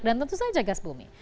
dan tentu saja gas bumi